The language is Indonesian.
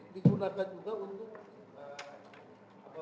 dipakai di apk